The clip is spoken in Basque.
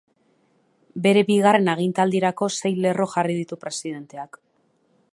Bere bigarren agintaldirako, sei lerro jarri ditu presidenteak.